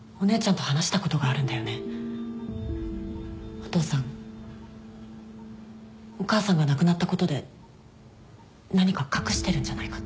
お父さんお母さんが亡くなったことで何か隠してるんじゃないかって。